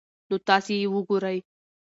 نو تاسي ئې وګورئ